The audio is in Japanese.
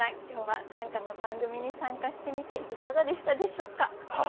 今日は短歌の番組に参加してみていかがでしたでしょうか？